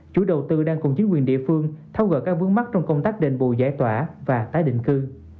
chủ đầu tư đang cùng chính quyền địa phương tháo gỡ các vướng mắt trong công tác đền bù giải tỏa và tái định cư